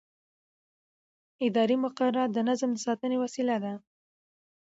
اداري مقررات د نظم د ساتنې وسیله ده.